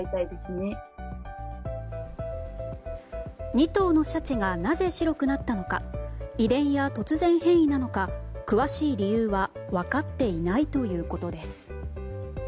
２頭のシャチがなぜ白くなったのか遺伝や突然変異なのか詳しい理由は分かっていないということです。